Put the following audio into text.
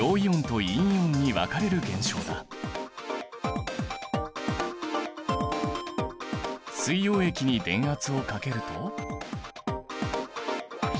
物質が水溶液に電圧をかけると。